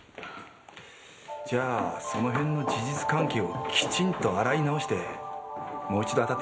じゃあその辺の事実関係をきちんと洗い直してもう一度当たってみましょう。